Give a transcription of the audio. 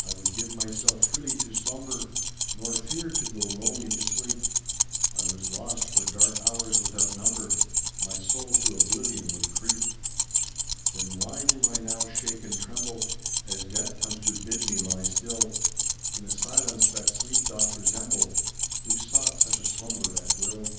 I would give myself freely to slumber Nor feared to go lonely to sleep, I was lost for dark hours without number My soul to oblivion would creep. Then why do I now shake and tremble As death comes to bid me lie still, In a silence that sleep doth resemble Who sought such a slumber at will?